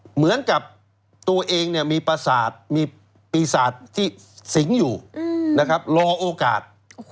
เหมือนกับตัวเองมีปีศาจที่สิงห์อยู่รอโอกาส